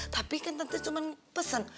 tapi kan tentu cuma pesen